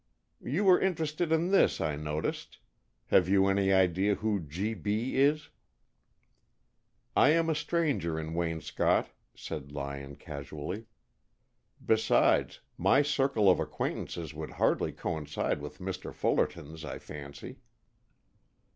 "You were interested in this, I noticed. Have you any idea who G.B. is?" "I am a stranger in Waynscott," said Lyon casually. "Besides, my circle of acquaintances would hardly coincide with Mr. Fullerton's, I fancy."